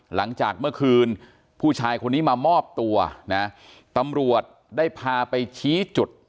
หลังจากเมื่อคืนผู้ชายคนนี้มามอบตัวนะตำรวจได้พาไปชี้จุด